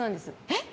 えっ！？